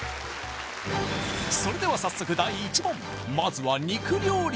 それでは早速第１問まずは肉料理